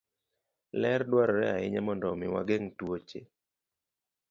Ler dwarore ahinya mondo omi wageng' tuoche.